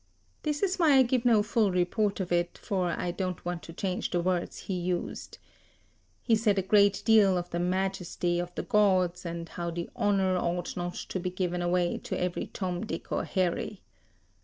That is why I give no full report of it, for I don't want to change the words he used. He said a great deal of the majesty of the gods, and how the honour ought not to be given away to every Tom, Dick, or Harry.